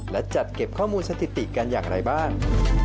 และจัดเก็บข้อมูลสถิติกันอย่างไรบ้าง